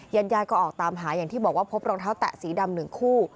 ญาติญาติก็ออกตามหาอย่างที่บอกว่าพบรองเท้าแตะสีดำหนึ่งคู่